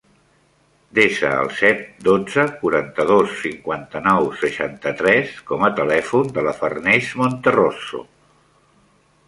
Desa el set, dotze, quaranta-dos, cinquanta-nou, seixanta-tres com a telèfon de la Farners Monterroso.